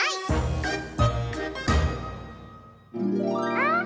あ！